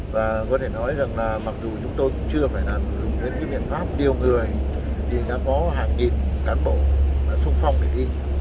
và có thể nói rằng là mặc dù chúng tôi chưa phải là những miệng pháp điều người thì đã có hàng nghìn cán bộ xung phong để đi